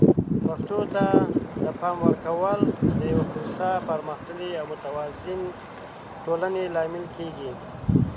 پښتو ته د پام ورکول د یو هوسا، پرمختللي او متوازن ټولنې لامل کیږي.